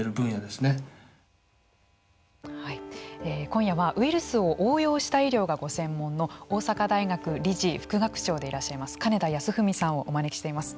今夜は、ウイルスを応用した医療がご専門の大阪大学理事副学長でいらっしゃいます金田安史さんをお招きしています。